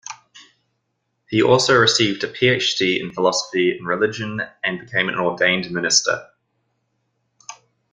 He also received a Ph.D. in philosophy in religion and became an ordained minister.